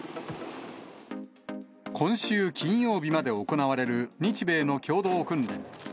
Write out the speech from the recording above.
今週金曜日まで行われる日米の共同訓練。